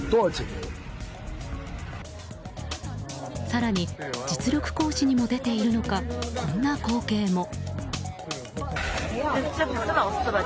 更に実力行使にも出ているのかこんな光景も。